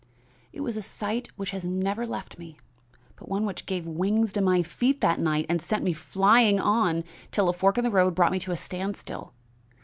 "It was a sight which has never left me, but one which gave wings to my feet that night and sent me flying on till a fork in the road brought me to a standstill.